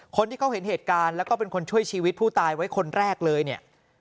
คนที่เขาเห็นเหตุการณ์แล้วก็เป็นคนช่วยชีวิตผู้ตายไว้คนแรกเลยเนี่ย